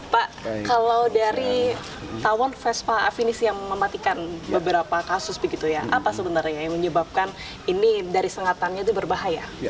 pak kalau dari tawon vespa afinisi yang mematikan beberapa kasus begitu ya apa sebenarnya yang menyebabkan ini dari sengatannya itu berbahaya